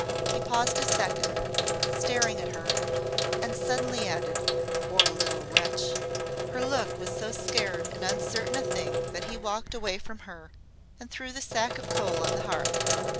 He paused a second, staring at her, and suddenly added, "Poor little wretch!" Her look was so scared and uncertain a thing that he walked away from her and threw the sack of coal on the hearth.